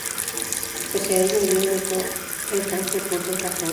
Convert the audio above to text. Pese a ello, Elliot ideó el canje por dos razones.